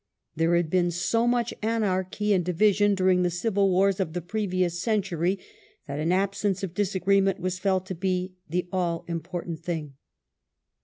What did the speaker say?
There had been so much anarchy and division during the civil wars of the previous century, that an absence of disagreement was felt to be the all important thing.